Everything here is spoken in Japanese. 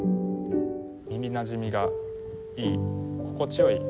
耳なじみがいい